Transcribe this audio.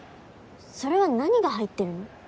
それは何が入ってるの？